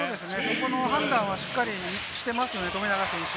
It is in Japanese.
この判断はしっかりしていますよね富永選手。